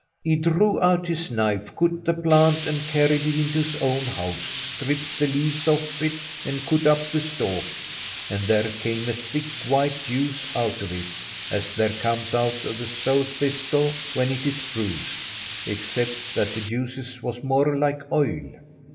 He drew out his knife, cut the plant, and carried it into his own house; stripped the leaves off it and cut up the stalk; and there came a thick, white juice out of it, as there comes out of the sow thistle when it is bruised, except that the juice was more like oil.